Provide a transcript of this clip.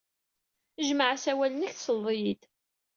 Jmeɛ asawal-nnek, tesled-iyi-d.